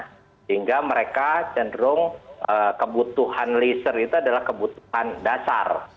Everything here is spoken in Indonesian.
sehingga mereka cenderung kebutuhan leisure itu adalah kebutuhan dasar